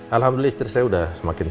alhamdulillah istri saya udah semakin baik